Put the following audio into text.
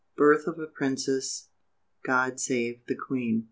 BIRTH OF A PRINCESS. GOD SAVE THE QUEEN!!!